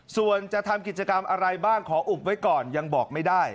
ส่วนจะทำกิจกรรมอะไรบ้างขออุบไว้ก่อนยังบอกไม่ได้